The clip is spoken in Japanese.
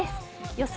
予想